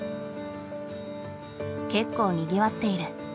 結構にぎわっている。